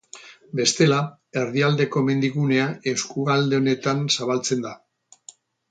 Bestela, Erdialdeko Mendigunea eskualde honetan zabaltzen da.